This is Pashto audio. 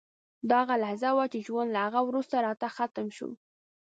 دا هغه لحظه وه چې ژوند له هغه وروسته راته ختم شو